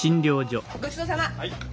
ごちそうさま。